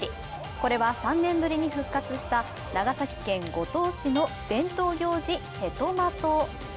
これは３年ぶりに復活した長崎県五島市の伝統行事ヘトマト。